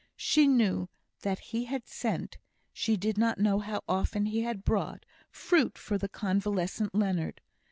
She knew that he had sent she did not know how often he had brought fruit for the convalescent Leonard.